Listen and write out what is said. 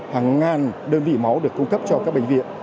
hàng ngàn đơn vị máu được cung cấp cho các bệnh viện